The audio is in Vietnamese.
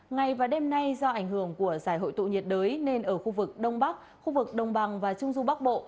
ngày và đêm nay do ảnh hưởng của giải hội tụ nhiệt đới nên ở khu vực đông bắc khu vực đồng bằng và trung du bắc bộ